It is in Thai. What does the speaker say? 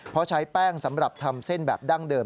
เพราะใช้แป้งสำหรับทำเส้นแบบดั้งเดิม